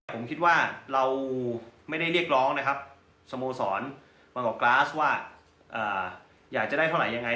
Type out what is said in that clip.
ผมคิดว่าเราไม่ได้เรียกร้องนะครับสโมสรบางกอกกราสว่าอยากจะได้เท่าไหร่ยังไง